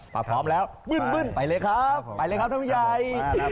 ถ้าพร้อมแล้วมึนไปเลยครับไปเลยครับท่านผู้ใหญ่